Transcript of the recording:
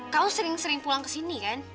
kamu sering sering pulang kesini kan